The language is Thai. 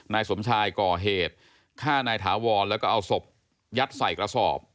นายสมชายก่อเหตุฆ่านายถาวรแล้วก็เอาศพยัดใส่กระสอบ